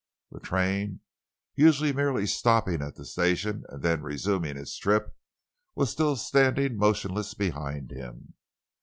The train, usually merely stopping at the station and then resuming its trip, was still standing motionless behind him.